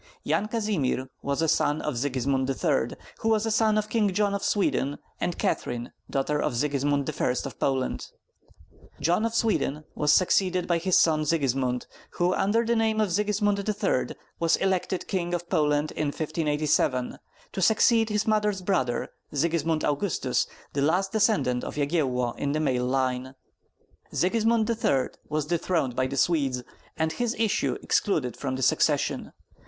Yan Kazimir was a son of Sigismund III., who was a son of King John of Sweden and Catherine, daughter of Sigismund I. of Poland. John of Sweden was succeeded by his son Sigismund, who under the name of Sigismund III. was elected King of Poland in 1587 to succeed his mother's brother, Sigismund Augustus, the last descendant of Yagyello in the male line. Sigismund III. was dethroned by the Swedes, and his issue excluded from the succession.